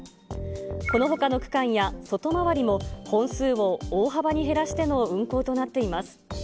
このほかの区間や外回りも、本数を大幅に減らしての運行となっています。